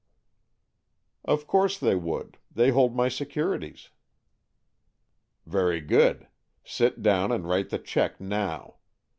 " Of course they would. They hold my securities." " Very good. Sit down and write the cheque now.